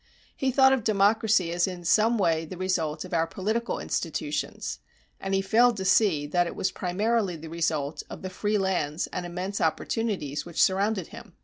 He thought of democracy as in some way the result of our political institutions, and he failed to see that it was primarily the result of the free lands and immense opportunities which surrounded him.